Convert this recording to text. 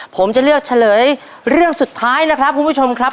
ผมจะเลือกเฉลยเรื่องสุดท้ายนะครับคุณผู้ชมครับ